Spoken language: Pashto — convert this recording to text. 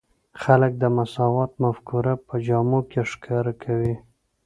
خلک د مساوات مفکوره په جامو کې ښکاره کوي.